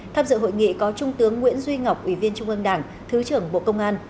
tham dự hội nghị có trung tướng nguyễn duy ngọc ủy viên trung ương đảng thứ trưởng bộ công an